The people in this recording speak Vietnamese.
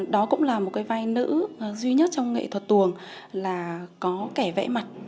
đó cũng là một cái vai nữ duy nhất trong nghệ thuật tuồng là có kẻ vẽ mặt